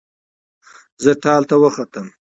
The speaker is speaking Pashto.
زه ټال ته وختم